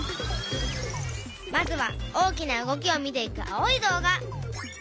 まずは大きな動きを見ていく青い動画。